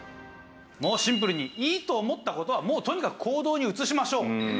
もうシンプルにいいと思った事はもうとにかく行動に移しましょう。